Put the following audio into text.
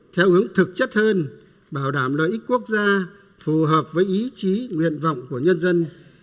theo hướng thực chất hơn bảo đảm lợi ích quốc gia phù hợp với ý chí nguyện vọng của nhân dân